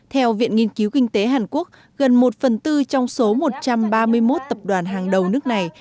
theo viện nghiên cứu kinh tế hàn quốc gần một phần tư trong số một trăm ba mươi một tập đoàn hàng đầu nước này